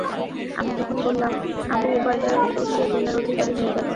আমি তখন বললাম, আবু উবায়দা তো সে গুণের অধিকারী হয়ে গেল।